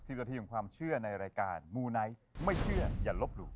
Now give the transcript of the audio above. นาทีของความเชื่อในรายการมูไนท์ไม่เชื่ออย่าลบหลู่